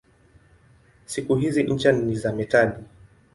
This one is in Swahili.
Siku hizi ncha ni za metali.